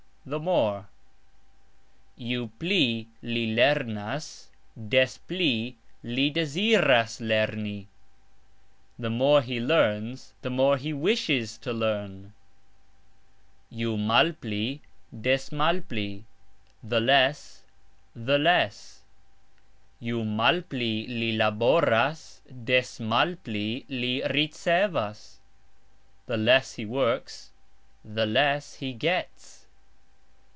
the more: "Ju pli li lernas, des pli li deziras lerni", The more he learns, the more he wishes to learn. "Ju malpli...des malpli", the less...the less: "Ju malpli li laboras, des malpli li ricevas", The less he works, the less he gets.